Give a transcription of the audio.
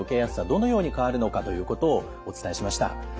どのように変わるのかということをお伝えしました。